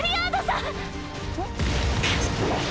ん？